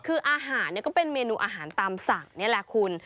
คืออาหารก็เป็นเมนูอาหารตามสั่งนี่แหละคุณ